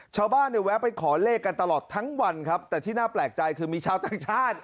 ชาวบ้านเนี่ยแวะไปขอเลขกันตลอดทั้งวันครับแต่ที่น่าแปลกใจคือมีชาวต่างชาติ